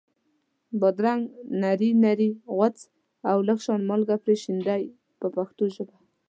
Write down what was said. بادرنګ نري نري غوڅ او لږ شان مالګه پرې شیندئ په پښتو ژبه.